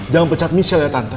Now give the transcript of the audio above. jangan pecat miss l ya tante